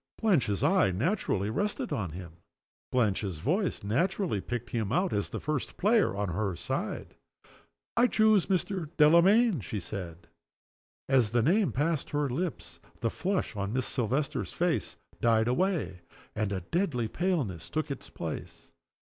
Blanche's eye naturally rested on him. Blanche's voice naturally picked him out as the first player on her side. "I choose Mr. Delamayn," she said. As the name passed her lips the flush on Miss Silvester's face died away, and a deadly paleness took its place.